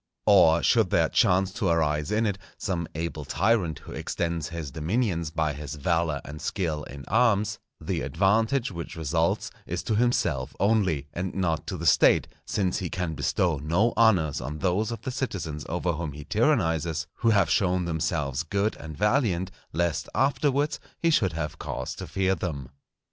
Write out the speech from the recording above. Or should there chance to arise in it some able tyrant who extends his dominions by his valour and skill in arms, the advantage which results is to himself only, and not to the State; since he can bestow no honours on those of the citizens over whom he tyrannizes who have shown themselves good and valiant, lest afterwards he should have cause to fear them.